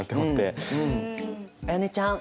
絢音ちゃん。